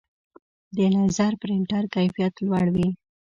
د لیزر پرنټر کیفیت لوړ وي.